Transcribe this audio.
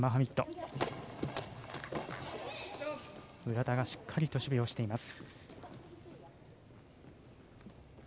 浦田がしっかりと守備をしています。